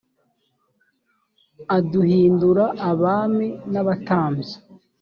aduhindura abami n’abatambyi